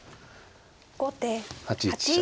後手８一飛車。